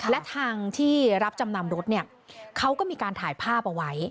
และทางที่รับจำนำรถเนี่ยเขาก็มีการถ่ายภาพเอาไว้